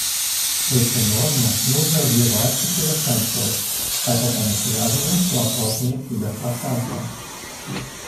Эти нормы нужно развивать и совершенствовать, так как они связаны с вопросами киберпространства.